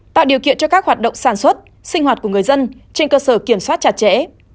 tạo điều kiện cho các hoạt động sản xuất sinh hoạt của người dân trên cơ sở kiểm soát chặt chẽ